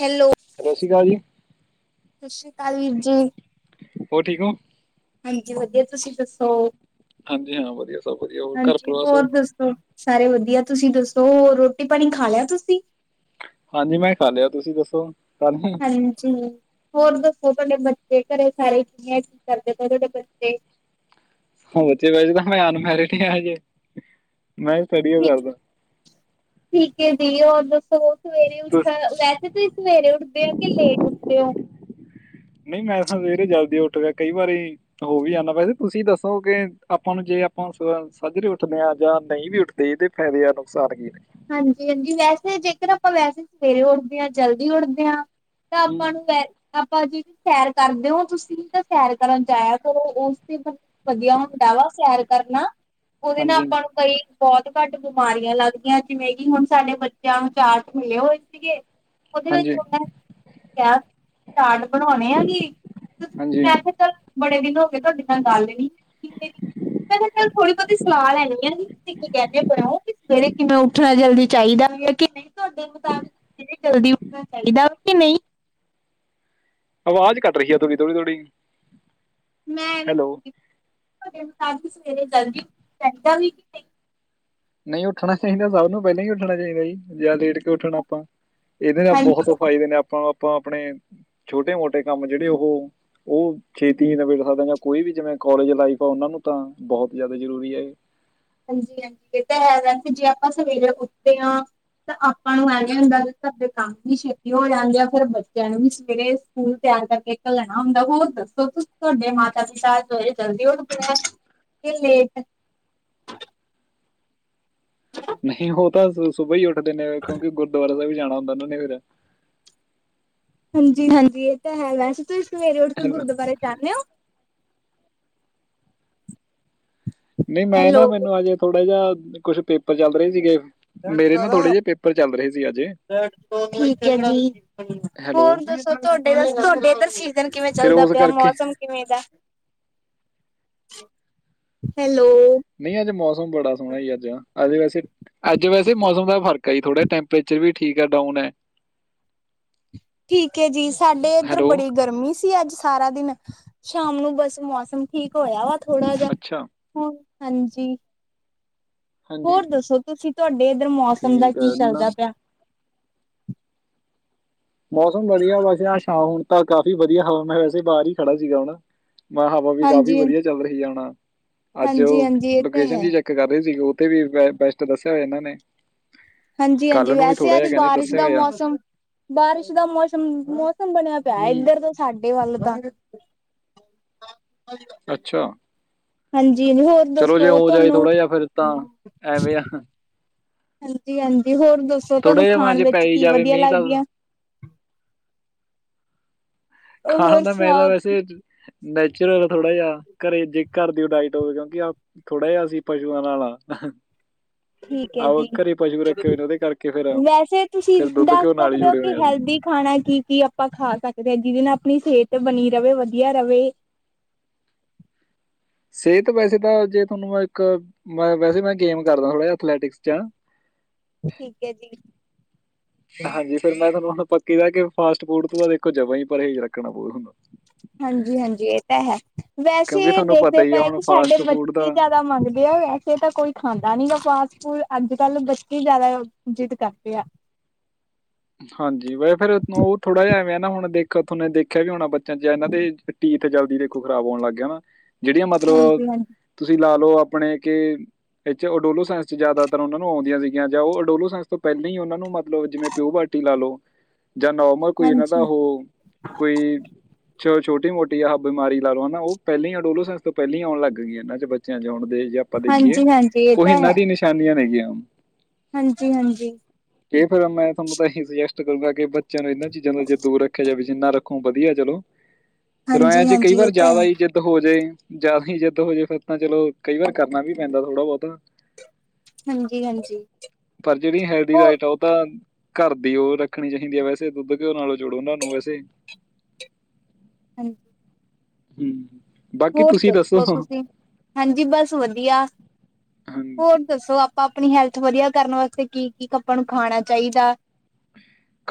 Hello ਸਤਿ ਸ਼੍ਰੀ ਅਕਾਲ ਜੀ ਸਤਿ ਸ੍ਰੀ ਅਕਾਲ ਵੀਰ ਜੀ, ਹੋਰ ਠੀਕ ਔ, ਹਾਂਜੀ ਵਧੀਆ ਤੁਸੀਂ ਦੱਸੋ ਹਾਂਜੀ ਹਾਂ, ਵਧੀਆ ਸਭ ਵਧੀਆ, ਹੋਰ ਘਰ ਹਾਂਜੀ, ਪਰਿਵਾਰ ਸਭ, ਦੱਸੋ? ਹੋਰ ਸਾਰੇ ਵਧੀਆ, ਤੁਸੀਂ ਦੱਸੋ ਰੋਟੀ ਪਾਣੀ ਖਾ ਲੇਆ ਤੁਸੀਂ, ਹਾਂਜੀ ਮੈਂ ਖਾ ਲੇਆ, ਤੁਸੀਂ ਦੱਸੋ ਖਾ ਲੇਆ, ਹਾਂਜੀ ਹੋਰ ਦੱਸੋ, ਤੁਹਾਡੇ ਬੱਚੇ ਘਰੇ ਸਾਰੇ ਕਿਵੇਂ ਕੀ ਕਰਦੇ ਪਏ ਤੁਹਾਡੇ ਬੱਚੇ, ੱਹ ਬੱਚੇ ਕੇਹੜੋ ਹਜੇ ਤਾ ਮੈਂ ਅਨਮੈਰਿਡ ਹਾ, ਹਜੇ ਮੈਂ ਞੀ ਸਟੱਡੀ ਅ ਠੀਕ ਕਰਦਾ, ਠੀਕ ਏ ਜੀ ਔਰ ਦੱਸੋ, ਸਵੇਰੇ ਉਠ ਤੁਸੀਂ ਵੈਸੇ ਤੁਸੀਂ ਸਵੇਰੇ ਉੱਠਦੇ ਔ ਕੇ ਲੇਟ ਉੱਠਦੇ ਔ, ਨਹੀਂ ਮੈਂ ਤਾਂ ਸਵੇਰੇ ਜਲਦੀ ਉੱਠਦਾ ਕਈ ਵਾਰੀ, ਹੋ ਵੀ ਜਾਂਦਾ, ਵੈਸੇ ਤੁਸੀਂ ਦੱਸੋ ਕਿ ਆਪਾਂ ਨੂੰ ਜੇ ਆਪਾਂ ਸੱਜਰੇ ਉੱਠਦੇ ਹਾਂ ਜਾਂ ਨਹੀਂ ਵੀ ਉੱਠਦੇ, ਤੇ ਏਦੇ ਫਾਇਦੇ ਆ ਨੁਕਸਾਨ ਕੀ ਨੇ, ਹਾਂਜੀ -ਹਾਂਜੀ ਵੈਸੇ ਜੇਕਰ ਆਪਾਂ ਵੈਸੇ ਸਵੇਰੇ ਉੱਠਦੇ ਹਾਂ, ਜਲਦੀ ਉੱਠਦੇ ਹਾਂ, ਤਾਂ ਹੂੰ ਆਪਾਂ ਨੂੰ ਵੈ ਆਪਾਂ ਜਿਹੜੀ ਸੈਰ ਕਰਦੇ ਹੋ ਤੁਸੀਂ, ਤਾਂ ਸੈਰ ਕਰਨ ਜਾਇਆ ਕਰੋ ਓਸਦੇ ਪ੍ਰ ਵੱਧੀਆ ਹੁੰਦਾ ਵਾ ਸੈਰ ਕਰਨਾ, ਉਹਦੇ ਨਾਲ ਹਾਂਜੀ ਆਪਾਂ ਨੂੰ ਕਈ ਬਹੁਤ ਘੱਟ ਬਿਮਾਰੀਆਂ ਲੱਗਦੀਆਂ ਨੇ, ਜਿਵੇਂ ਕਿ ਹੁਣ ਸਾਡੇ ਬੱਚੇਆਂ ਨੂੰ ਚਾਟ ਮਿਲੇ ਹੋਏ ਸੀਗੇ, ਓਹਦੇ ਵਿੱਚ ਹਾਂਜੀ ਓਹਨਾ ਨੇ, ਚਾਟ- ਚਾਟ ਬਣਾਉਣੇ ਆ ਜੀ ਹਾਂਜੀ ਮੈਂ ਕੇਆ ਚੱਲ, ਬੜੇ ਦਿਨ ਹੋਗੇ ਤੁਹਾਡੇ ਨਾਲ ਗੱਲ ਨੀ ਹੋਈ ਮੇਰੀ ਮੈਂ ਚ, ਥੋੜੀ ਬੋਤੀ ਸਲਾਹ ਲੈਣੀ ਆ ਜੀ, ਵਿੱਚ ਬੈ ਕੇ ਬਣਾਓ ਕਿ ਸਵੇਰੇ ਕਿਵੇਂ ਓ ਉੱਠਣਾ ਜਲਦੀ ਚਾਹੀਦਾ ਵੀ ਆ ਕੇ ਨਈ, ਤੁਹਾਡੇ ਮੁਤਾਬਿਕ ਜਲਦੀ ਉੱਠਣਾ ਚਾਹੀਦਾ ਵੀ ਕੇ ਨਈ, ਆਵਾਜ਼ ਕੱਟ ਰਈ ਆ ਥੋੜੀ -ਥੋੜੀ ਤੁਹਾਡੀ, ਮੈਂ ਵੇ ਤੁਹਾਡੇ ਮੁਤਾਬਿਕ ਸਵੇਰੇ ਜਲਦੀ ਉਠਕੇ ਨਈ ਉੱਠਣਾ ਚਾਹੀਦਾ ਸਭ ਨੂੰ ਪਹਿਲਾਂ ਹੀ ਉੱਠਣਾ ਚਾਹੀਦਾ ਜੀ, ਜਿਆਦਾ ਲੇਟ ਕਿਓ ਉੱਠਣਾ ਆਪਾਂ, ਏਹਦੇ ਨਾਲ ਬਹੁਤ ਹਾਂਜੀ। ਫਾਇਦੇ ਨੇ ਆਪਾਂ -ਆਪਾਂ ਆਪਣੇ ਛੋਟੇ -ਮੋਟੇ ਕੰਮ ਜਿਹੜੇ ਉਹ ਉਹ ਛੇਤੀ ਨਵੇ ਲਿਖਾਦਾਗੇ, ਕੋਈ ਵੀ ਜਿਵੇਂ ਕੋਾਲਜ ਲਾਈਫ ਆ ਉਹਨਾਂ ਨੂੰ ਤਾਂ ਬਹੁਤ ਜ਼ਿਆਦਾ ਜ਼ਰੂਰੀ ਆ ਜੀ, ਹਾਂਜੀ -ਹਾਂਜੀ ਏ ਤਾਂ ਹੈਗਾ ਸੀ, ਜੇ ਆਪਾਂ ਸਵੇਰੇ ਉੱਠਦੇ ਆ, ਤਾਂ ਆਪਾਂ ਨੂੰ ਐਵੇ ਹੁੰਦਾ ਸਾਡੇ ਕੰਮ ਵੀ ਛੇਤੀ ਹੋ ਜਾਂਦੇ ਆ, ਫਿਰ ਬੱਚੇਆ, ਨੂੰ ਵੀ ਸਵੇਰੇ, ਸਕੂਲ ਤਿਆਰ ਕਰਕੇ ਘੱਲਣਾ ਹੁੰਦਾ, ਹੋਰ ਦੱਸੋ ਤੁਹਾਡੇ ਮਾਤਾ ਪਿਤਾ ਸਵੇਰੇ ਜਲਦੀ ਉੱਠਦੇ ਆ, ਕੇ ਲੇਟ, ਨਹੀਂ, ਉਹ ਤਾਂ ਸੁਬਾ ਹੀ ਉੱਠਦੇ ਨੇ, ਕਿਉਂਕਿ ਗੁਰਦੁਆਰਾ ਸਾਹਿਬ ਜਾਣਾ ਹੁੰਦਾ ਉਹਨਾਂ ਨੇ ਫੇਿਰ, ਹਾਂਜੀ -ਹਾਂਜੀ ਇਹ ਤਾਂ ਹੈ ਵੈਸੇ ਤੁਸੀਂ ਸਵੇਰੇ ਉੱਠ ਕੇ ਫਿਰ ਗੁਰਦੁਆਰੇ ਜਾਨੇ ਹੋ? ਨਹੀਂ ਮੈਂ ਨਾ ਹੈਲੋ ਮੈਨੂੰ ਅਜੇ ਥੋੜਾ ਜਿਹਾ ਕੁਛ ਪੇਪਰ ਚੱਲ ਰਹੇ ਸੀਗੇ, ਮੇਰੇ ਨਾ ਥੋੜੇ ਜਿਹੇ ਪੇਪਰ ਚੱਲ ਰਹੇ, ਸੀ ਅਜੇ, ਹੈਲੋ ਹੋਰ ਦੱਸੋ ਤੁਹਾਡੇ ਤਾਂ ਤੁਹਾਡੇ ਏਧਰ ਸੀਜਨ ਕਿਵੇਂ ਫਿਰ ਚੱਲਦਾ ਉਸ ਪਿਆ ਕਰਕੇ ਮੌਸਮ, ਕਿਵੇਂ ਦਾ ਹੈਲੋ, ਨਹੀਂ ਅੱਜ ਮੌਸਮ ਬੜਾ ਸੋਹਣਾਈ ਅੱਜ ਆ, ਅੱਜ ਵੈਸੇ -ਅੱਜ ਵੈਸੇ ਮੌਸਮ ਦਾ ਫਰਕ ਆ ਜੀ ਥੋੜਾ ਟੈਂਪਰੇਚਰ ਵੀ ਠੀਕ ਆ ਡਾਊਨ ਆ, ਠੀਕ ਏ ਜੀ, ਸਾਡੇ ਇੱਧਰ ਹੈਲੋ ਬੜੀ ਗਰਮੀ ਸੀ, ਅੱਜ ਸਾਰਾ ਦਿਨ ਸ਼ਾਮ ਨੂੰ ਬਸ ਮੌਸਮ, ਠੀਕ ਹੋਇਆ ਵਾ ਥੋੜਾ ਜਹਾ ਅੱਛਾ ਹੁ ਹਾਂਜੀ ਹਾਂਜੀ ਹੋਰ ਦੱਸੋ। ਤੁਸੀਂ ਤੁਹਾਡੇ ਇੱਧਰ ਮੌਸਮ ਦਾ ਠੀਕ ਕੀ ਹੈ ਨਾ ਚੱਲਦਾ ਪਿਆ। ਮੌਸਮ ਵਧੀਆ ਵੈਸੇ ਸ਼ਾਮ ਹੁਣ ਤਾਂ ਕਾਫ਼ੀ ਵਧੀਆ ਹਵਾ ਮੈਂ ਵੈਸੇ ਬਾਹਰ ਹੀ ਖੜਾ ਸੀਗਾ ਹਣਾ। ਮਾਂ ਹਵਾ ਵੀ ਕਾਫ਼ੀ ਹਾਂਜੀ ਵਧੀਆ ਚੱਲ ਰਹੀ ਆਣਾ ਅੱਜ ਹਾਂਜੀ ਹਾਂਜੀ ਇਹ ਤੇ ਲੋਕੇਸ਼ਨ ਹੈ ਜੀ ਚੈੱਕ ਕਰ ਰਹੇ ਸੀਗੇ ਉਹਥ ਵੀ ਬੈਸਟ ਦੱਸਿਆ ਹੋਇਆ ਇਹਨਾਂ ਨੇ। ਹਾਂਜੀ ਹਾਂਜੀ ਕੱਲ ਨੂੰ ਵੀ ਥੋੜਾ ਵੈਸੇ ਅੱਜ ਜਿਹਾ ਕਹਿੰਦੇ ਬਾਰਿਸ਼ ਦੱਸਿਆ ਦਾ ਹੋਇਆ ਮੌਸਮ ਬਾਰਿਸ਼ ਦਾ ਮੌਸਮ ਮੌਸਮ ਬਣਿਆ ਪਿਆ ਹੂੰ ਇੱਧਰ ਤੋਂ। ਸਾਡੇ ਵੱਲ ਤਾਂ। ਅੱਛਾ ਹਾਂਜੀ ਹੋਰ। ਚਲੋ ਜੇ ਦੱਸੋ ਹੋ ਜਾਏ ਤੁਹਾਨੂੰ ਥੋੜ੍ਹਾ ਜਾ ਫੇਿਰ ਤਾਂ ਐਵੇਂ ਆ। ਹਾਂਜੀ ਹਾਂਜੀ ਹੋਰ ਦੱਸੋ ਥੋੜਾ ਤੁਹਾਨੂੰ ਜਿਹਾ ਮੈਂ ਖਾਣ ਜੇ ਪੈ ਵਿੱਚ ਹੀ ਕੀ ਜਾਵੇ ਵਧੀਆ ਮੀਂਹ ਤਾਂ ਲੱਗਦੀਆਂ? ਖਾਣ ਹੋਰ ਦਾ ਮੈਂ ਤਾਂ ਸੁਣਾਓ ਵੈਸੇ ਨੈਚੁਰਲ ਥੋੜਾ ਜਿਹਾ ਘਰੇ ਜੇ ਘਰ ਦੀ ਉਹ ਡਾਇਟ ਹੋਵੇ ਕਿਉਂਕਿ ਆਪ ਥੋੜ੍ਹਾ ਜਿਹਾ ਸੀ ਪਸੂਆਂ ਨਾਲ। ਠੀਕ ਹੈ ਆਹ ਜੀ ਘਰੇ ਪਸ਼ੂ ਰੱਖੇ ਹੋਏ ਨੇ ਉਹਦੇ ਕਰਕੇ ਫਿਰ ਵੈਸੇ ਤੁਸੀਂ ਫਿਰ ਦੁੱਧ ਦੱਸ ਘਿਓ ਨਾਲ ਹੀ ਸਕਦੇ ਹੋ ਜੁੜੇ ਹੋਏ ਕਿ ਹਾਂ ਅਸੀਂ ਹੈਲਦੀ ਖਾਣਾ ਕੀ ਕੀ ਆਪਾਂ ਖਾ ਸਕਦੇ ਹਾਂ ਜਿਹਦੇ ਨਾਲ ਆਪਣੀ ਸਿਹਤ ਬਣੀ ਰਹੇ ਵਧੀਆ ਰਹੇ। ਸਿਹਤ ਵੈਸੇ ਤਾਂ ਜੇ ਤੁਹਾਨੂੰ ਇੱਕ ਵੈਸੇ ਮੈਂ ਗੇਮ ਕਰਦਾਥ ਅਲੈਟਿਕਸ ਚ ਹਾ। ਠੀਕ ਹੈ ਜੀ। ਹਾਂਜੀ ਫੇਿਰ ਮੈਂ ਤੁਹਾਨੂੰ ਹੁਣ ਪੱਕੀ ਦਾ ਕਿ ਫਾਸਟ ਫੂਡ ਤੋਂ ਤਾਂ ਦੇਖੋ ਜਵ ਹੀ ਪਰ ਇਹ ਰੱਖਣਾ ਬਹੁਤ ਹੁੰਦਾ। ਹਾਂਜੀ ਹਾਂਜੀ ਇਹ ਤਾਂ ਹੈ। ਕਿਉਂਕਿ ਵੈਸੇ ਤੁਹਾਨੂੰ ਪਤਾ ਦੇਖਦੇ ਹੀ ਆ ਪਏ ਹੁਣ ਕਿ ਸਾਡੇ ਫਾਸਟ ਫੂਡ ਬੱਚੇ ਦਾ ਜਿਆਦਾ ਮੰਗਦੇ ਆ ਹੋਆ। ੇ ਤਾਂ ਕੋਈ ਖਾਂਦਾ ਨੀ ਗਾ ਫਾਸਟ ਫੂਡ ਅੱਜ ਕੱਲ ਬੱਚੇ ਜਿਆਦਾ ਇਜਿਤ ਕਰਦੇ ਆ। ਹਾਂਜੀ ਵੈ ਫੇਿਰ ਉਹ ਥੋੜਾ ਜਿਹਾ ਐਵੇਂ ਨਾ ਹੁਣ ਦੇਖ ਤੁਹਨੇ ਦੇਖਿਆ ਵੀ ਹੋਣਾ ਬੱਚਾ ਚ ਇਹਨਾਂ ਦੇ ਟੀ ਇੱਥੇ ਜਲਦੀ ਦੇਖੋ ਖ਼ਰਾਬ ਹੋਣ ਲੱਗ ਗਿਆ ਨਾ ਜਿਹੜੀਆਂ ਮਤਲਬ ਹਾਂਜੀ ਹਾਂਜੀ ਤੁਸੀਂ ਲਾ ਲਓ ਆਪਣੇ ਕਿ ਇ ਓਡੋਲੋ ਸਾਇੰਸ ਚ ਜ਼ਿਆਦਾਤਰ ਉਹਨਾਂ ਨੂੰ ਆਉਂਦੀਆਂ ਸੀਗੀਆਂ ਜਾਂ ਉਹਓਡੋਲੋ ਸਾਇੰਸ ਤੋਂ ਪਹਿਲਾਂ ਹੀ ਉਹਨਾਂ ਨੂੰ ਮਤਲਬ ਜਿਵੇਂ ਪਿਓ ਬਾਟੀ ਲਾ ਲਓ ਜਾਂ ਨੋਰਮਲ ਕੋਈ ਇਹਨਾਂ ਦਾ ਹਾਂਜੀ ਉਹ ਕੋਈ ਚ ਛੋਟੀ ਮੋਟੀ ਆਹ ਬਿਮਾਰੀ ਲਾ ਲਓ ਹਨ ਨਾ ਉਹ ਪਹਿਲ ਆ ਡੋਲੋਸੈਂਸ ਤੋਂ ਪਹਿਲਾਂ ਆਉਣ ਲੱਗ ਗਈ ਇਹਨਾਂ ਬੱਚਿਆਂ ਚਉਣ ਦੇ ਜਾਂ। ਆਪਾਂ ਦੇਖੀਏ ਹਾਂਜੀ ਹਾਂਜੀ ਇਹ ਤਾਂ ਉਹਨਾਂ ਹੈ ਦੀ ਨਿਸ਼ਾਨੀਆਂ ਨੇਗ ਆਮ। ਹਾਂਜੀ ਹਾਂਜੀ। ਕਿ ਫਿਰ ਮੈਂ ਤੁਹਾਨੂੰ ਤਾਂ ਇਹੀ ਸੁਜੈਸਟ ਕਰੂੰਗਾ ਕਿ ਬੱਚਿਆਂ ਨੂੰ ਇਹਨਾਂ ਚੀਜ਼ਾਂ ਦਾ ਜੇ ਦੂਰ ਰੱਖਿਆ ਜਾਵੇ ਜਿੰਨਾ ਰੱਖੋ ਵਧੀਆ ਚਲੋ ਚਲੋ ਐਂ ਹਾਂਜੀ ਜੇ ਕਈ ਹਾਂਜੀ ਇਹ ਵਾਰ ਤਾਂ ਜ਼ਿਆਦਾ ਹੈ ਜ ਜਦ ਹੋ ਜਾੇ ਜਿਆਦ ਹੀ ਜਿੱਦ ਹੋ ਜਾੇ ਫਿਰ ਤਾਂ ਚਲੋ ਕਈ ਵਾਰ ਕਰਨਾ ਵੀ ਪੈਂਦਾ ਥੋੜਾ ਬਹੁਤਾ। ਹਾਂਜੀ ਹਾਂਜੀ ਪਰ ਜਿਹੜੀ ਹੈਲਦੀ ਹੋਰ ਡਾਇਟ ਆ ਉਹ ਤਾਂ ਘਰ ਦੀ ਉਹ ਰੱਖਣੀ ਚਾਹੀਦੀ ਹੈ ਵੈਸੇ ਦੁੱਧ ਘਿਓ ਨਾਲੋਂ ਜੋੁੜੋ ਉਹਨਾਂ ਨੂੰ ਵੈਸੇ ਹਾਂਜੀ। ਹਮ ਬਾਕੀ ਹੋਰ ਤੁਸੀਂ ਦੱਸੋ? ਤੁਸੀਂ ਹਾਂਜੀ ਬਸ ਵਧੀਆ ਹਾਂਜੀ ਹੋਰ ਦੱਸੋ ਆਪ ਆਪਾਂ ਆਪਣੀ ਹੈਲਥ ਵਧੀਆ ਕਰਨ ਵਾਸਤੇ ਕੀ ਕੀ ਕੱਪਾਂ ਨੂੰ ਖਾਣਾ ਚਾਹੀਦਾ?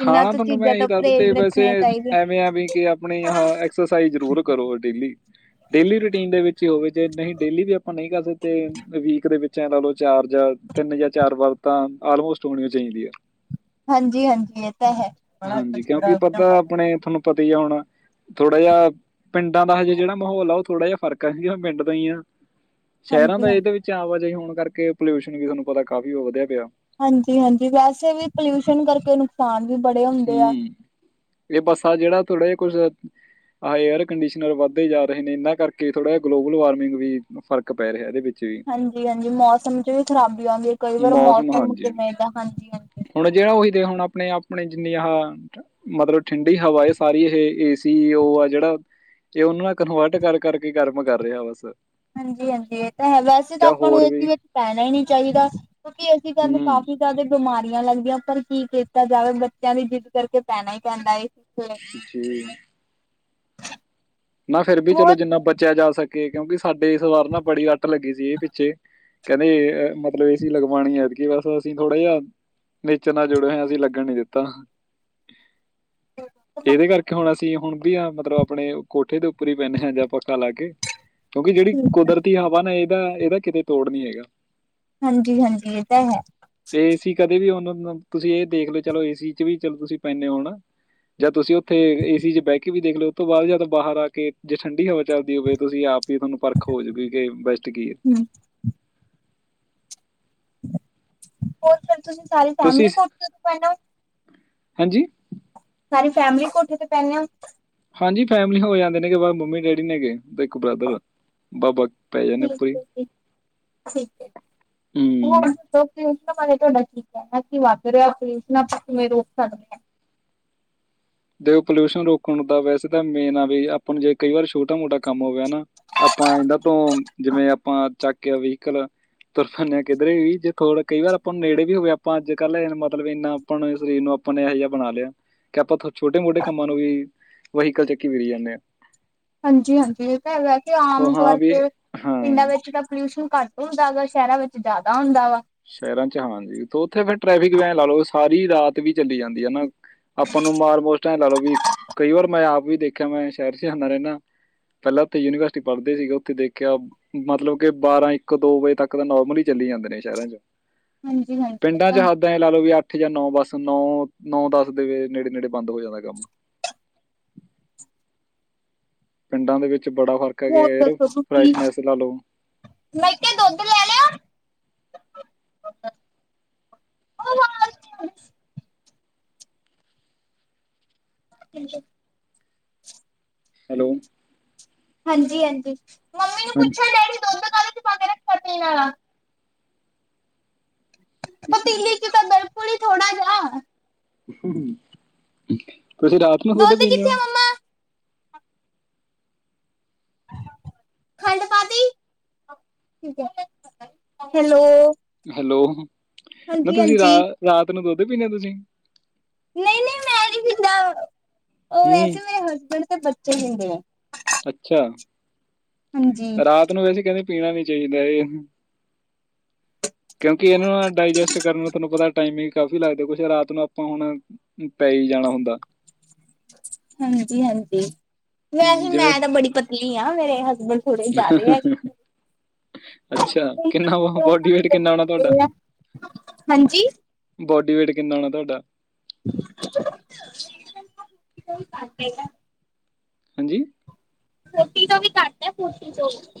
ਇਹਨਾਂ ਤੋਂ ਤੁਹਨੂੰ ਮੈਂ ਚੀਜ਼ਾਂ ਇਹੀ ਤੋਂ ਦੱਸਦ ਤੇ ਪਰਹੇਜ਼ ਵੈਸੇ ਰੱਖਣੀਆਂ ਚਾਹੀਦੀਆਂ ਐਵੇਂ ਆ ਵੀ ਕਿ ਆਪਣੇ ਆ ਐਕਸਰਸਾਈਜ਼ ਜ਼ਰੂਰ ਕਰੋ ਡੇਲੀ ਡੇਲੀ ਰੂਟੀਨ ਦੇ ਵਿੱਚ ਹੀ ਹੋਵੇ ਜੇ ਨਹੀਂ ਡੇਲੀ ਵੀ ਆਪਾਂ ਨਹੀਂ ਕਰ ਸਕਦੇ ਵੀਕ ਦੇ ਵਿੱਚ ਲਾ ਲਓ ਚਾਰ ਜਾਂ ਤਿੰਨ ਜਾਂ ਚਾਰ ਵਾਰ ਤਾਂ ਆਲਮੋਸਟ ਹੋਣੀ ਚਾਹੀਦੀ ਆ। ਹਾਂਜੀ ਹਾਂਜੀ। ਤਾਂ ਹੈ ਹਾਂਜੀ ਕਿਉਂਕਿ ਪਤਾ ਆਪਣੇ ਤੁਹਾਨੂੰ ਪਤਾ ਹੀ ਆ ਹੁਣ ਥੋੜਾ ਜਿਹਾ ਪਿੰਡਾਂ ਦਾ ਹਜੇ ਜੇੜਾ ਮਾਹੌਲ ਆ ਥੋੜਾ ਜਿਹਾ ਫ਼ਰਕ ਸੀਗਾ ਪਿੰਡ ਦਾ ਹੀ ਆ ਸ਼ਹਿਰਾਂ ਹਾਂਜੀ ਦਾ ਹਾਂ ਇਹਦੇ ਵਿੱਚ ਆਵਾਜਾਈ ਹੋਣ ਕਰਕੇ ਪੋਲਿਊਸ਼ਨ ਵੀ ਤੁਹਾਨੂੰ ਪਤਾ ਕਾਫ਼ੀ ਉਹ ਵਧਿਆ ਪਿਆ ਹਾਂਜੀ ਹਾਂਜੀ ਵੈਸੇ ਵੀ ਪੋਲਿਊਸ਼ਨ ਕਰਕੇਨ ਕਿਸਾਨ ਵੀ ਬੜੇ ਹੁੰਦੇ ਆ ਹਮ ਇਹ ਬੱਸਾ ਜੇੜਾ ਥੋੜਾ ਜਿਹਾ ਕੁੱਛ ਆਹ ਏਅਰ ਕੰਡੀਸ਼ਨਰ ਵੱਧਦੇ ਜਾ ਰਹੇ ਨੇ ਇਹਨਾਂ ਕਰਕੇ ਥੋੜ੍ਹਾ ਜਿਹਾ ਗਲੋਬਲ ਵਾਰਮਿੰਗ ਵੀ ਫਰਕ ਪੈ ਰਿਹਾ ਇਹਦੇ ਵਿੱਚ ਵੀ ਹਾਂਜੀ ਹਾਂਜੀ ਮੌਸਮ ਚ ਵੀ ਖਰਾਬੀ ਆਂਦੀ ਹੈ ਕਈ ਵਾਰ ਮੌਸਮ ਕਿਵੇਂ ਦਾ ਹਾਂਜੀ ਹਾਂਜੀ ਹੁਣ ਜੇੜਾ ਉਹੀ ਦੇ ਹੁਣ ਆਪਣੇ ਆਪਣੇ ਜਿੰਨੀਆਂ ਆਹ ਮਤਲਬ ਠੰਡੀ ਹਵਾ ਸਾਰੀ ਇਹ ਏਸੀ ਉਹ ਆ ਜੇੜਾ ਇਹ ਉਹਨੂੰ ਨਾਲ ਕਨਵਰਟ ਕਰ ਕਰ ਕੇ ਕਰਮ ਕਰ ਰਿਹਾ ਬਸ ਹਾਂਜੀ ਹਾਂਜੀ ਇਹ ਤਾਂ ਹੈ ਵੈਸੇ ਤਾਂ ਜਾਂ ਆਪਾਂ ਨੂੰ ਹੋਰ ਇਸ ਵੀ ਵਿੱਚ ਪੈਣਾ ਹੀ ਨਹੀਂ ਚਾਈਦਾ ਕਿਉਂਕਿ ਅਸੀਂ ਤੁਹਾਨੂੰ ਹੂੰ ਕਾਫ਼ੀ ਜ਼ਿਆਦਾ ਬਿਮਾਰੀਆਂ ਲੱਗਦੀਆਂ ਪਰ ਕੀ ਕੀਤਾ ਜਾਵੇ ਬੱਚਿਆਂ ਦੀ ਜਿੱਦ ਕਰਕੇ ਪੈਣਾ ਹੀ ਪੈਂਦਾ ਏ ਸੀ ਥੱਲੇ ਜੀ ਨਾ ਫੇਿਰ ਵੀ ਚਲੋ ਜਿੰਨਾ ਬਚਿਆ ਜਾ ਸਕੇ ਕਿਉਂਕਿ ਸਾਡੇ ਇਸ ਵਾਰ ਨਾ ਬੜੀ ਅੱਤ ਲੱਗੀ ਸੀ ਇਹ ਪਿੱਛੇ ਕਹਿੰਦੇ ਮਤਲਬ ਏਸੀ ਲਗਵਾਣੀ ਐਤਕੀਂ ਬਸ ਅਸੀਂ ਥੋੜਾ ਜਿਹਾ ਨੇਚਰ ਨਾਲ ਜੁੜੇ ਹੋਏਆ ਅਸੀਂ ਲੱਗਣ ਨੀ ਦਿੱਤਾ ਤੇ ਇਹਦੇ ਕਰਕੇ ਹੁਣ ਅਸੀਂ ਹੁਣ ਵੀ ਆ ਮਤਲਬ ਆਪਣੇ ਕੋਠੇ ਦੇ ਉੱਪਰ ਹੀ ਪੈਂਦੇ ਹਾਂ ਜਾਂ ਆਪੱਖਾ ਲਾ ਕੇ ਕਿਉਂਕਿ ਜੇੜੀ ਹੋਰ ਕੁਦਰਤ ਹਵਾ ਨਾ ਇਹਦਾ ਇਹਦਾ ਕਿਤੇ ਤੋੜ ਨੀ ਹੈਗਾ ਹਾਂਜੀ ਹਾਂਜੀ ਇਹ ਤਾਂ ਹੈ ਏਸੀ ਕਦੇ ਵੀ ਉਹਨ ਤੁਸੀਂ ਇਹ ਦੇਖ ਲਓ ਚਲੋ ਏਸੀ ਚ ਵੀ ਚੋ ਤੁਸੀਂ ਪੈਂਂਦੇ ਹੋਣਾ ਜਾਂ ਤੁਸੀਂ ਉੱਥੇ ਏਸੀ ਚ ਬੈ ਕੇ ਵੀ ਦੇਖ ਲਿਓ ਓ ਤੋਂ ਬਾਅਦ ਜਾਂ ਬਾਹਰ ਆ ਕੇ ਜੇ ਠੰਡੀ ਹਵਾ ਚੱਲਦੀ ਹੋਵੇ ਤੁਸੀਂ ਆਪ ਹੀ ਥੋਨੂੰ ਪਰਖ ਹੋਜੂ ਕਿ ਬੈਸਟ ਕੀਆ ਹਮ ਹੋਰ ਫਿਰ ਤੁਸੀਂ ਸਾਰੀ ਤੁਸੀਂ ਫੈਮਿਲੀ ਕੋਠੇ ਤੇ ਪੈਨੇ ਹੋ ਹਾਂਜੀ ਸਾਰੀ ਫੈਮਿਲੀ ਕੋਠੇ ਤੇ ਪੈਨੇ ਆ ਹਾਂਜੀ ਫੈਮਲੀ ਹੋ ਜਾਂਦੇ ਨੇਗੇ ਬ ਮੰਮੀ ਡੈਡੀ ਨੇਗੇ ਤੇ ਇੱਕ ਬ੍ਰਦਰ ਬਾਬਾ ਪੈ ਜਾਂਦੇ ਠੀਕ ਉੱਪਰ ਹੀ ਹੈੀ ਠੀਕ ਹੈ ਹੂੰ ਹੋਰ ਸ ਕਸ਼ ਭ ਨੇ [unintelligible] ਤੁਹਾਡਾ ਕੀ ਕਹਿਣਾ ਕਿ ਵਾਪਰ ਕਸ਼ ਨਾ ਆਪਾਂ ਕਿਵੇਂ ਰੋਕ ਸਕਦੇ ਹਾਂ ਦੇ ਪੋਲਿਊਸ਼ਨ ਰੋਕਣ ਦਾ ਵੈਸੇ ਤਾਂ ਮੇਨ ਆ ਵੀ ਆਪਾਂ ਨੂੰ ਜੇ ਕਈ ਵਾਰ ਛੋਟਾ ਮੋਟਾ ਕੰਮ ਹੋਵੇ ਨਾ ਆਪਾਂ ਇਹਨਾਂ ਤੋਂ ਜਿਵੇਂ ਆਪਾਂ ਚੱਕ ਆ ਵਹੀਕਲ ਤੁਰਪੈਦੇ ਹਾਂ ਕਿੱਧਰੇ ਵੀ ਜੇ ਥੋੜ੍ਹੇ ਕਈ ਵਾਰ ਆਪਾਂ ਨੂੰ ਨੇੜੇ ਵੀ ਹੋਵੇ ਆਪਾਂ ਅੱਜ ਕੱਲ੍ਹ ਮਤਲਬ ਇੰਨਾ ਆਪਾਂਣੇ ਸਰੀਰ ਨੂੰ ਆਪਾਂ ਇਹੋ ਜਿਹਾ ਬਣਾ ਲਿਆ ਕਿ ਆਪਾਂ ਤੁ ਛੋਟੇ ਮੋਟੇ ਕੰਮਾਂ ਨੂੰ ਵੀ ਵਹੀਕਲ ਚੱਕੀ ਫਿਰੀ ਜਾਂਦੇ ਆ ਹਾਂਜੀ ਹਾਂਜੀ ਇਹ ਤਾਂ ਹੈਗਾ ਕਿ ਸੋ ਆਮ ਹਾਂ ਤੌਰ ਵੀ ਤੇ ਹਾਂ ਪਿੰਡਾਂ ਵਿੱਚ ਤਾਂ ਪੋਲਿਊਸ਼ਨ ਘੱਟ ਹੁੰਦਾ ਵਾ ਸ਼ਹਿਰਾਂ ਵਿੱਚ ਜ਼ਿਆਦਾ ਹੁੰਦਾ ਵਾ ਸ਼ਹਿਰਾਂ ਚ ਹਾਂਜੀ ਤੇ ਉੱਥੇ ਫੇਿਰ ਟ੍ਰੈਫਿਕ ਵੈਨ ਲਾ ਲਓ ਸਾਰੀ ਰਾਤ ਵੀ ਚੱਲੀ ਜਾਂਦੀ ਹੈ ਨਾ ਆਪਾਂ ਨੂੰ ਮਾਰ ਮੋਸ ਟ ਲਾ ਲਓ ਵੀ ਕਈ ਵਾਰ ਮੈਂ ਆਪ ਵੀ ਦੇਖਿਆ ਮੈਂ ਸ਼ਹਿਰ ਚ ਆਦਾ ਰੈਂਦਾ ਪੈਲਾਂ ਉੱਥੇ ਯੂਨੀਵਰਸਿਟੀ ਪੜ੍ਹਦੇ ਸੀਗੇ ਉੱਥੇ ਦੇਖਿਆ ਮਤਲਬ ਕੇ ਬਾਰਾਂ ਇੱਕ ਦੋ ਵਜੇ ਤੱਕ ਤਾਂ ਨੋਰਮਲੀ ਚੱਲੀ ਜਾਂਦੇ ਨੇ ਸ਼ਹਿਰਾਂ ਚ ਹਾਂਜੀ-ਹਾਂਜੀ ਇਹ ਪਿੰਡਾਂ ਚ ਤਾਂ ਹੈ ਹੱਦ ਤੈਂ ਲਾ ਲਓ ਵੀ ਅੱਠ ਜਾਂ ਨੌ ਬਸ ਨੌ-ਨੌ ਦਸ ਦੇ ਨੇੜੇ-ਨੇੜੇ ਬੰਦ ਹੋ ਜਾਂਦਾ ਕੰਮ ਪਿੰਡਾਂ ਦੇ ਵਿੱਚ ਬੜਾ ਫਰਕ ਹੈ ਹੋਰ ਗਯਾ ਯਾਰ ਦੱਸੋ ਤੁਸੀਂ ਫਰੈਸ਼ਨੈਸ ਲਾ ਲੋ। ਮੈਂ ਤੇ ਦੁੱਧ ਲੈ ਲਿਆ। [inaudible] [inaudible] ਹੈਲੋ ਹਾਂਜੀ-ਹਾਂਜੀ ਹਾਂਜੀ ਵਗੈਰਾ ਕਟੇਗਾ। ਪਤੀਲੀ 'ਚ ਤਾ ਬਿਲਕੁਲ ਹੀ ਥੋੜਾ ਜਿ ਤੁਸੀਂ ਰਾਤ ਨੂੰ ਦੁੱਧ ਪੀਣੇ ਕਿੱਥੇ ਹੋ। ਮੰਮਾ ਖੰਡ ਪਾਤੀ [unintelligible] ਹੈਲੋ ਹੈਲੋ ਨਾ ਹਾਂਜੀ ਤੁਸੀਂ ਰਾ ਹਾਂਜੀ ਰਾਤ ਨੂੰ ਦੁੱਧ ਪੀਣੇ ਓ ਤੁਸੀਂ ਨਈ- ਨਈ ਮੈਂ ਨਈ ਪੀਂਦਾ ਓ ਹੂੰ ਵੈਸੇ ਮੇਰੇ ਹਸਬੈਂਡ ਤੇ ਬੱਚੇ ਪੀਂਦੇ ਆ। ਅੱਛਾ ਹਾਂਜੀ ਰਾਤ ਨੂੰ ਵੈਸੇ ਕੈਂਦੇ ਪੀਣਾ ਨੀ ਚਾਹੀਦਾ ਇਹ ਕਿਉਂਕਿ ਇਹ ਨੂੰ ਡਾਇਜੈਸਟ ਕਰਨ ਨੂੰ ਤੁਹਾਨੂੰ ਪਤਾ ਟਾਈਮਿੰਗ ਕਾਫੀ ਲੱਗਦਾ ਕੁਛ ਰਾਤ ਨੂੰ ਆਪਾਂ ਹੁਣ ਪੈ ਈ ਜਾਣਾ ਹੁੰਦਾ। ਹਾਂਜੀ-ਹਾਂਜੀ ਵੈਸੇ ਹੂੰ, ਜਿਵੇਂ ਮੈਂ ਤਾਂ ਬੜੀ ਪਤਲੀ ਆਂ ਮੇਰੇ ਹਸਬੈਂਡ ਥੋੜੇ ਜਾਦੇ ਅੱਛਾ ਕਿੰਨਾ ਵਾ ਬੋਡੀ ਵੇਟ ਕਿੰਨਾ ਹੋਣਾ ਤੁਹਾਡਾ ਬੋਡੀ ਵੇਟ ਕਿੰਨਾ ਹੋਣਾ ਤੁਹਾਡਾ [inaudible] ਹਾਂਜੀ ਫੋਟੀ ਤੋਂ ਵੀ ਘੱਟ ਐ ਫੋਟੀ ਤੋਂ ਵੀ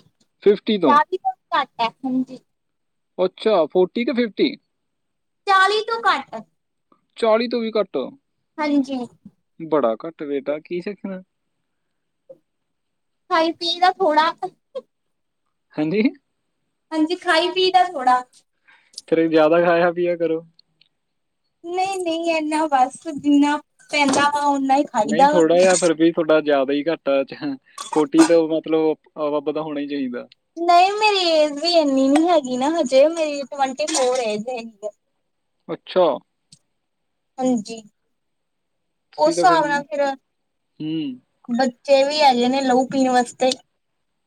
ਤੋਂ ਚਾਲੀ ਤੋ ਘੱਟ ਐ ਹਾਂਜੀ। ਅੱਛਾ ਫੋਰਟੀ ਕਿ ਫਿਫਟੀ ਚਾਲੀ ਤੋਂ ਘੱਟ ਚਾਲੀ ਤੋਂ ਵੀ ਘੱਟ ਹਾਂਜੀ ਬੜਾ ਘੱਟ ਵੇਟ ਆ ਕੀ ਸਿੱਖਣਾ ਖਾਈ ਪੀ ਦਾ ਥੋੜਾ ਕ ਹਾਂਜੀ ਹਾਂਜੀ ਖਾਈ ਪੀ ਦਾ ਥੋੜ੍ਹਾ ਫਿਰ ਜਾਦਾ ਖਾਇਆ ਪੀਆ ਕਰੋ। ਨਈ-ਨਈ ਇਨ੍ਹਾਂ ਬਸ ਜਿੰਨਾ ਪੈਂਦਾ ਵਾ ਓਨਾ ਈ ਨਈ ਥੋੜਾ ਜਿਹਾ ਫਿਰ ਵੀ ਤੁਹਾਡਾ ਜਾਦਾ ਹੀ ਘੱਟ ਆਂ ਚਹ ਫੋਟੀ ਤੋਂ ਮਤਲਬ ਅਵੱਬ ਦਾ ਹੋਣਾ ਹੀ ਚਾਹੀਦਾ। ਨਈ ਮੇਰੀ ਏਜ ਵੀ ਇੰਨੀ ਨੀ ਹੈਗੀ ਨਾ ਹਜੇ ਮੇਰੀ ਟਵੰਟੀ-ਫੋਰ ਏਜ ਹੈਗੀ ਏ। ਅੱਛਾ ਹਾਂਜੀ ਓ ਤੁਸੀਂ ਤਾਂ ਹਿਸਾਬ ਨਾਲ ਫਿਰ ਹੂੰ ਬੱਚੇ ਵੀ ਹੈਗੇੇ ਨੇ ਲਊ ਪੀਣ ਵਸਤੇ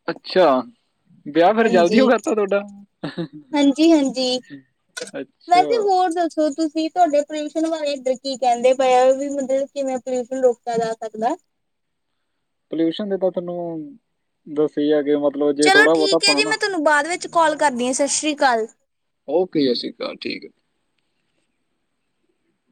ਅੱਛਾ ਵਿਆਹ ਫਿਰ ਜ਼ਲਦੀ ਹਾਂਜੀ ਹੋ ਗਿਯਾ ਤਾ ਤੁਹਾਡਾ ਹਾਂਜੀ ਹਾਂਜੀ ਅੱਛਾ ਵੈਸੇ ਹੋਰ ਦੱਸੋ ਤੁਸੀਂ ਤੁਹਾਡੇ ਪੋਲਿਊਸ਼ਨ ਬਾਰੇ ਇੱਧਰ ਕੀ ਕੈਂਦੇ ਪਏ ਆ ਵੀ ਮਤਲਬ ਕਿਵੇਂ ਪੋਲਿਊਸ਼ਨ ਰੋਕਿਆ ਜਾ ਸਕਦਾ। ਪੋਲਿਊਸ਼ਨ ਦੀ ਤਾਂ ਤੈਨੂੰ ਦੱਸੀ ਆ ਕਿ ਮਤਲਬ ਜੇ ਥੋੜ੍ਹਾ ਬੋਤਾ ਪਾਂਨਾ ਤਹਾਨੂੰ ਬਾਅਦ ਵਿੱਚ ਕਾਲ ਕਰਦੀ ਆ ਸ਼ਤਿ ਸ਼੍ਰੀ ਕਾਲ। ਓਕੇ ਸ਼੍ਰੀ ਅਕਾਲ ਠੀਕ ਏ।